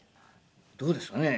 どうですかね。